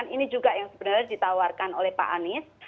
ini juga yang sebenarnya ditawarkan oleh pak anies